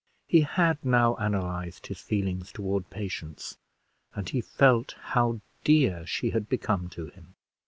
He had now analyzed his feelings toward Patience; and he felt how dear she had become to him.